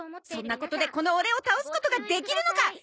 そんなことでこのオレを倒すことができるのか！